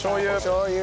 しょう油！